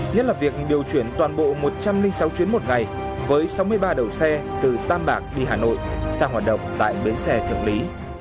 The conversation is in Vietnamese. nhất là việc điều chuyển toàn bộ một trăm linh sáu chuyến một ngày với sáu mươi ba đầu xe từ tam bạc đi hà nội sang hoạt động tại bến xe thượng lý